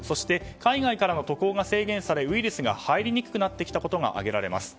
海外からの渡航が制限されウイルスが入ってきにくくなったことが挙げられます。